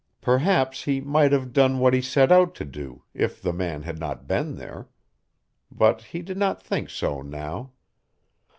Perhaps he might have done what he set out to do if the man had not been there. But he did not think so now.